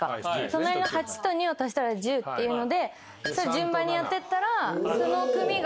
隣の８と２を足したら１０っていうので順番にやってったらその組が５つある。